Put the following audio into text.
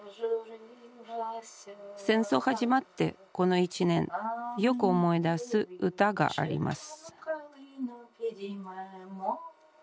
戦争始まってこの１年よく思い出す歌があります